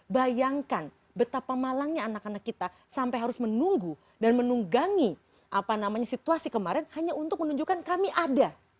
bayangkan betapa malangnya anak anak kita sampai harus menunggu dan menunggangi situasi kemarin hanya untuk menunjukkan kami ada